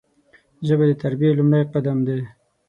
ژبه د تربیې لومړی قدم دی